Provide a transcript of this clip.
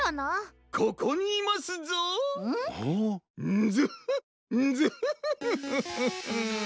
ンヅフッンヅフフフフフ。